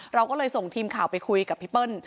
เราก็เลยส่งทีมข่าวไปคุยกับพี่เปิ้ล